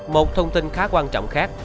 một thông tin khá quan trọng khác